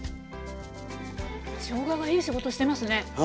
しょうががいい仕事してますね。